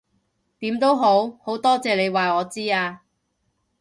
點都好，好多謝你話我知啊